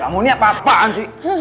kamu ini apa apaan sih